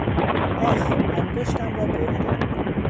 آخ! انگشتم را بریدم!